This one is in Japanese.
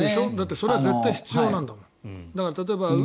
それは絶対に必要なんだから。